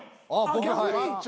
逆に？